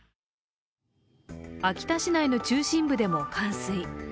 秋田市内の中心部でも冠水。